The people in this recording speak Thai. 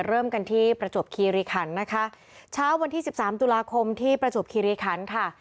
เริ่มกันที่ประจวบคีรีคันนะคะเช้าวันที่สิบสามตุลาคมที่ประจวบคิริคันค่ะ